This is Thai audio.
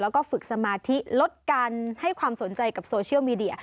แล้วก็ฝึกสมาธิลดการให้ความสนใจกับโซเชียลมีเดีย